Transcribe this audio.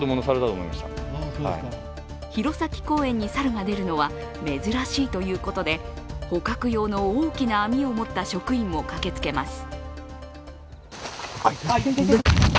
弘前公園に猿が出るのは珍しいということで捕獲用の大きな網を持った職員も駆けつけます。